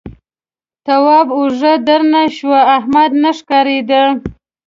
تواب اوږه درنه شوه احمد نه ښکارېده.